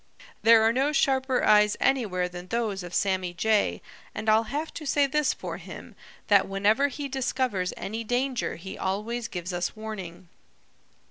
"There are no sharper eyes anywhere than those of Sammy Jay, and I'll have to say this for him, that whenever he discovers any danger he always gives us warning.